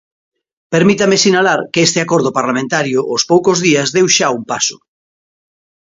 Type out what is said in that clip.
Permítame sinalar que este acordo parlamentario aos poucos días deu xa un paso.